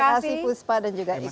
terima kasih puspa dan juga ibu